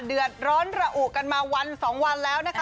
เดือดร้อนระอุกันมาวัน๒วันแล้วนะคะ